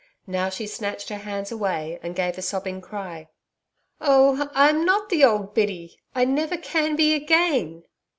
Now she snatched her hands away and gave a sobbing cry. 'Oh, I'm not the old Biddy. I never can be again.'